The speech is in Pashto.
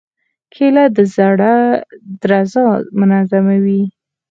کېله د زړه درزا منظموي.